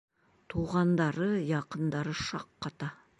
Туғандары, яҡындары шаҡ ҡата.